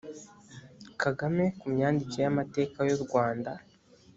kagame ku myandikire y amateka y u rwanda